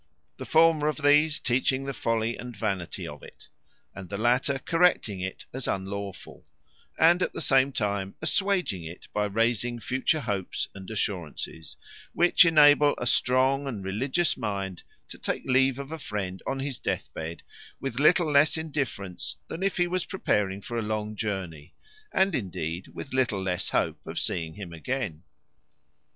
The former of these teaching the folly and vanity of it, and the latter correcting it as unlawful, and at the same time assuaging it, by raising future hopes and assurances, which enable a strong and religious mind to take leave of a friend, on his deathbed, with little less indifference than if he was preparing for a long journey; and, indeed, with little less hope of seeing him again.